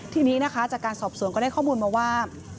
ทีนี้นะคะจากการสอบสวนก็ได้ข้อมูลมาว่า